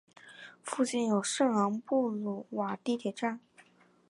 附近有圣昂布鲁瓦地铁站。